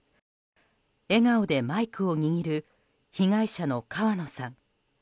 笑顔でマイクを握る被害者の川野さん。